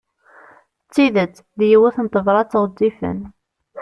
D tidet, d yiwet n tebrat ɣezzifen.